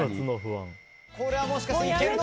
これはもしかしていけるのか？